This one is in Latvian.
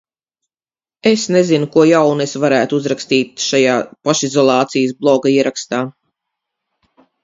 Es nezinu, ko jaunu es varētu uzrakstīt šajā pašizolācijas bloga ierakstā.